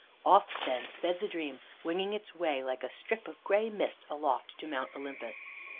'" Off then sped the Dream, winging its way like a strip of gray mist aloft to Mount Olympus.